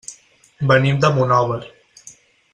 Venim de Monòver.